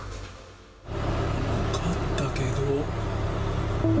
分かったけど。